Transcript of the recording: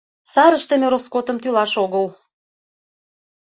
Сар ыштыме роскотым тӱлаш огыл.